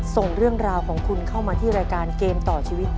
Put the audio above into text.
ส่งเรื่องราวของคุณเข้ามาที่รายการเกมต่อชีวิต